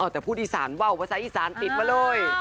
อ๋อแต่พูดอิสานว่าอุปสรรค์อิสานติดมาเลย